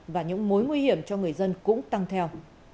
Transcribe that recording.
và những mối nguy hiểm cho người dân cũng tăng theo